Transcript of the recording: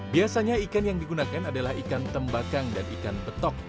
biasanya ikan yang digunakan adalah ikan tembakang dan ikan betok